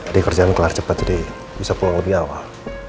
dia kerjaan kelar cepet jadi bisa pulang lebih awal